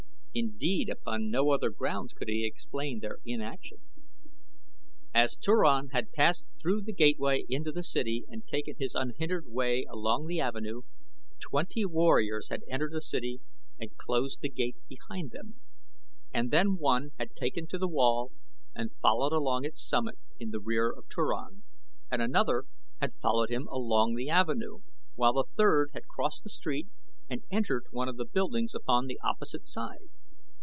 Indeed upon no other grounds could he explain their inaction. As Turan had passed through the gateway into the city and taken his unhindered way along the avenue, twenty warriors had entered the city and closed the gate behind them, and then one had taken to the wall and followed along its summit in the rear of Turan, and another had followed him along the avenue, while a third had crossed the street and entered one of the buildings upon the opposite side.